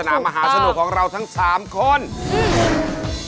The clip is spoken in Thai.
ปริศนามหาสนุกของเราทั้ง๓คนถูกค่ะ